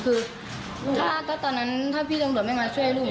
คือถ้าก็ตอนนั้นถ้าพี่ตำรวจไม่มาช่วยลูก